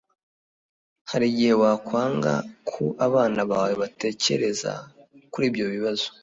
Hari igihe wakwanga ko abana bawe batekereza kuri ibyo bibazo